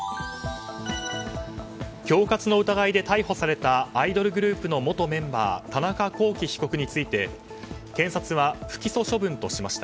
恐喝の疑いで逮捕されたアイドルグループの元メンバー田中聖被告について検察は不起訴処分としました。